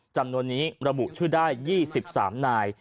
จำนวนนี้ระบุชื่อได้๒๓นาย